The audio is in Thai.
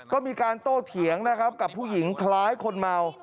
ก็มีการโต้เถียงกับผู้หญิงคล้ายคนมาว